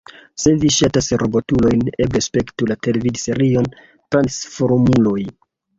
Se vi ŝatas robotulojn, eble spektu la televidserion Transformuloj.